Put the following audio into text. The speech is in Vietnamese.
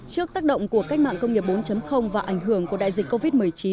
trước tác động của cách mạng công nghiệp bốn và ảnh hưởng của đại dịch covid một mươi chín